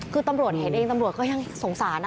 คือตำรวจเห็นเองตำรวจก็ยังสงสารนะ